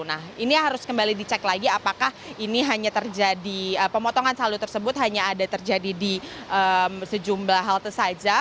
nah ini harus kembali dicek lagi apakah ini hanya terjadi pemotongan saldo tersebut hanya ada terjadi di sejumlah halte saja